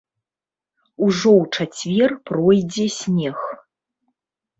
Ужо ў чацвер пройдзе снег.